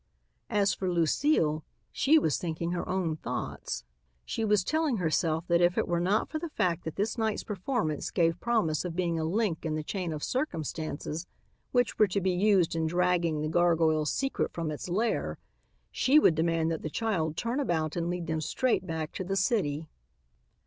As for Lucile, she was thinking her own thoughts. She was telling herself that if it were not for the fact that this night's performance gave promise of being a link in the chain of circumstances which were to be used in dragging the gargoyle's secret from its lair, she would demand that the child turn about and lead them straight back to the city.